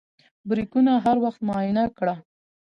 بریکونه هر وخت معاینه کړه.